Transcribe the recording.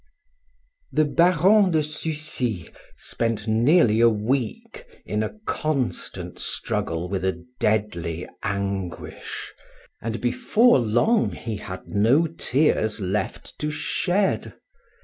The Baron de Sucy spent nearly a week, in a constant struggle with a deadly anguish, and before long he had no tears left to shed.